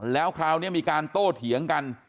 แล้วคราวนี้มีการโต้เถียงกัน